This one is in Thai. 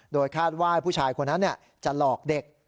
โดยคาดว่าผู้ชายคนนั้นจะหลอกเด็ก